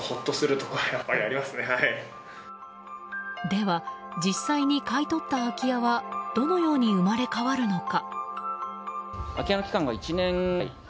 では、実際に買い取った空き家はどのように生まれ変わるのか。